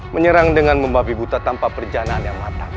menyerang dengan membabi buta tanpa perencanaan yang matang